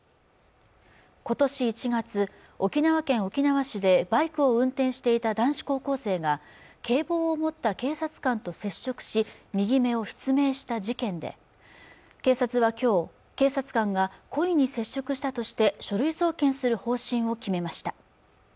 ことし１月沖縄県沖縄市でバイクを運転していた男子高校生が警棒を持った警察官と接触し右目を失明した事件で警察はきょう警察官が故意に接触したとして書類送検する方針を決めました